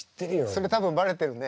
それ多分バレてるね。